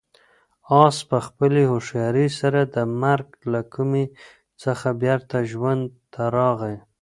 آس په خپلې هوښیارۍ سره د مرګ له کومې څخه بېرته ژوند ته راغی.